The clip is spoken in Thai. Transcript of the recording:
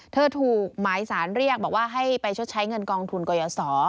ถูกหมายสารเรียกบอกว่าให้ไปชดใช้เงินกองทุนกรยาศร